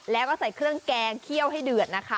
แล้วก็ใส่เครื่องแกงเคี่ยวให้เดือดนะคะ